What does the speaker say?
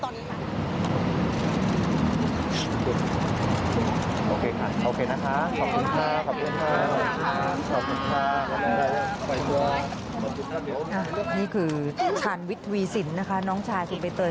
นี่คือชาญวิทย์วีสินนะคะน้องชายคุณใบเตย